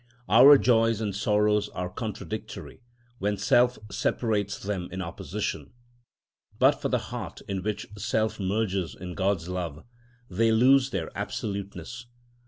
Our joys and sorrows are contradictory when self separates them in opposition. But for the heart in which self merges in God's love, they lose their absoluteness.